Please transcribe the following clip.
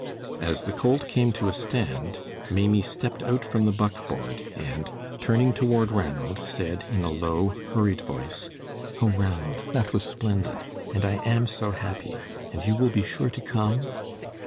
As the colt came to a stand, Maimie stepped out from the buckboard, and turning toward Ranald, said in a low, hurried voice: "O, Ranald, that was splendid, and I am so happy; and you will be sure to come?"